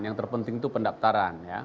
yang terpenting itu pendaftaran